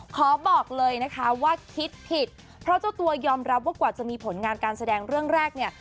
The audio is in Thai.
ขอบอกเลยนะคะว่าคิดผิดเพราะเจ้าตัวยอมรับว่ากว่าจะมีผลงานการแสดงเรื่องแรกเนี่ย